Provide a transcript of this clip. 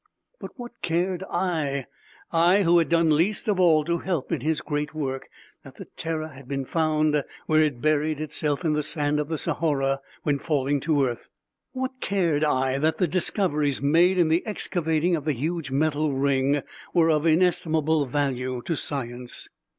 But what cared I I who had done least of all to help in his great work that the Terror had been found where it buried itself in the sand of the Sahara when falling to earth? What cared I that the discoveries made in the excavating of the huge metal ring were of inestimable value to science?